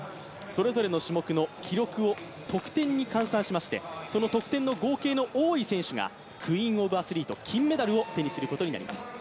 それぞれの種目の記録を得点に換算しましてその得点の合計の多い選手がクイーンオブアスリート、金メダルを手にすることになります。